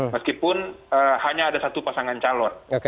meskipun hanya ada satu pasangan calon